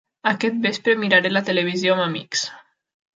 Aquest vespre miraré la televisió amb amics.